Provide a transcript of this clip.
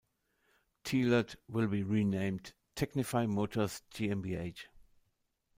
Thielert will be renamed "Technify Motors GmbH".